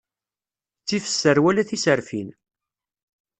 Ttif sser wala tiserfin.